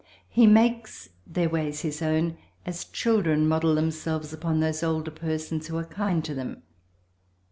He makes their ways his own as children model themselves upon those older persons who are kind to them.